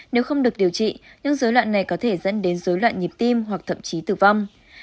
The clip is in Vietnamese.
nếu không được điều trị những dối loạn này có thể dẫn đến dối loạn nhịp tim hoặc thậm chí tử vong